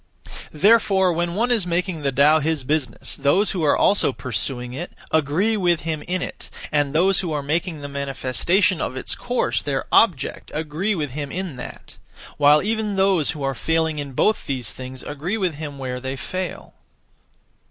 Therefore when one is making the Tao his business, those who are also pursuing it, agree with him in it, and those who are making the manifestation of its course their object agree with him in that; while even those who are failing in both these things agree with him where they fail.